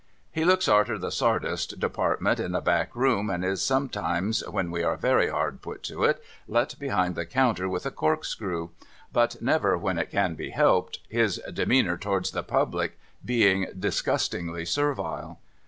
He looks arter the sawdust department in a back room, and is sometimes, when we are very hard put to it, let behind the counter with a corkscrew ; but never when it can be helped, his demeanour 452 MUGBY JUNCTION towards the puTjlic l)eing disgusting servile.